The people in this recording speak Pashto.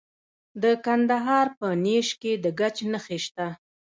د کندهار په نیش کې د ګچ نښې شته.